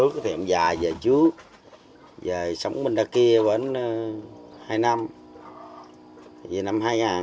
chú thì ông già về chú về sống bên đó kia vẫn hai năm về năm hai nghìn